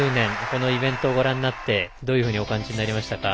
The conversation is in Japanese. このイベントをご覧になってどういうふうにお感じになりましたか？